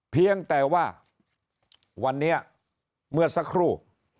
เพียงแต่ว่าวันนี้เมื่อสักครู่